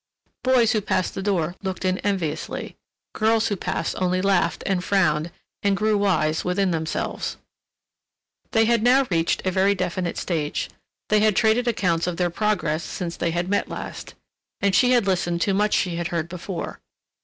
Boys who passed the door looked in enviously—girls who passed only laughed and frowned and grew wise within themselves. They had now reached a very definite stage. They had traded accounts of their progress since they had met last, and she had listened to much she had heard before.